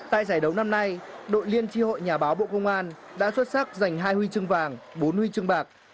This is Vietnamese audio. tại giải đấu năm nay đội liên tri hội nhà báo bộ công an đã xuất sắc giành hai huy chương vàng bốn huy chương bạc